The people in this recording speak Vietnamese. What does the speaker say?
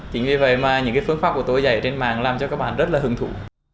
chính vì vậy mà những phương pháp của tôi dạy trên mạng làm cho các bạn rất là hứng thú